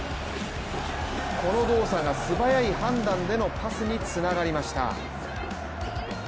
この動作が素早い判断でのパスにつながりました。